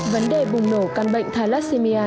vấn đề bùng nổ can bệnh thalassemia